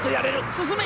進め！